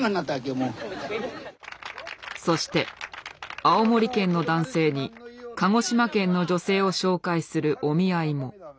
そして青森県の男性に鹿児島県の女性を紹介するお見合いも。